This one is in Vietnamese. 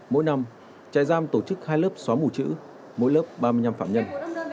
mỗi năm trại giam tổ chức hai lớp xóa mù chữ mỗi lớp ba mươi năm phạm nhân